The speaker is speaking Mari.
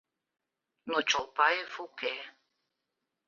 Но Чолпаев уке.